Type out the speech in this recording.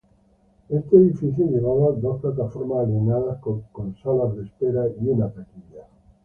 Este edificio llevaba a dos plataformas, alineadas con salas de espera y una taquilla.